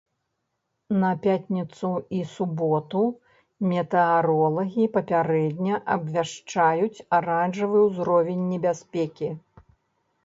На пятніцу і суботу метэаролагі папярэдне абвяшчаюць аранжавы ўзровень небяспекі.